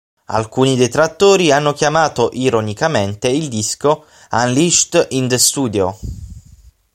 Alcuni detrattori hanno chiamato, ironicamente, il disco "Unleashed in the Studio".